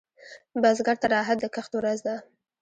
بزګر ته راحت د کښت ورځ ده